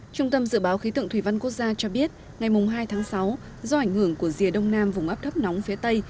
trung tâm dự báo khí tượng thủy văn quốc gia cho biết ngày hai tháng sáu do ảnh hưởng của rìa đông nam vùng áp thấp nóng phía tây